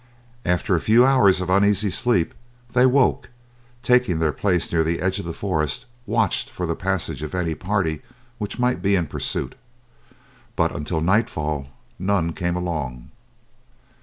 After a few hours of uneasy sleep they woke, and taking their place near the edge of the forest watched for the passage of any party which might be in pursuit, but until nightfall none came along.